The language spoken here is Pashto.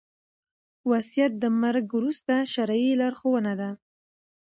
وصيت د مرګ وروسته شرعي لارښوونه ده